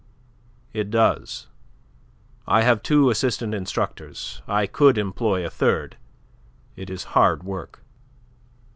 "It does. I have two assistant instructors. I could employ a third. It is hard work."